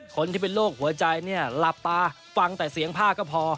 คนที่เป็นโรคหัวใจเนี่ยหลับตาฟังแต่เสียงผ้าก็พอ